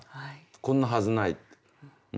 「こんなはずない」って。